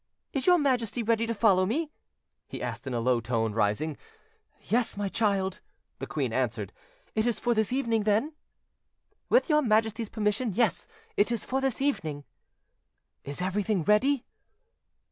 "Is your Majesty ready to follow me?" he asked in a low tone, rising. "Yes, my child," the queen answered: "it is for this evening, then?" "With your Majesty's permission, yes, it is for this evening." "Is everything ready?"